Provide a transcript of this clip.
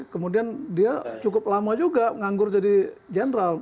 kemudian dia cukup lama juga menganggur jadi jenderal